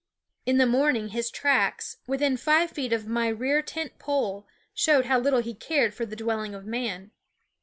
In the morning his tracks, within five feet of my rear tent pole, showed how little he cared for the dwelling of man.